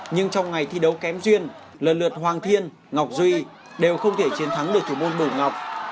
nhưng trong ngày thi đấu kém duyên lần lượt hoàng thiên ngọc duy đều không thể chiến thắng được thủ môn bổ ngọc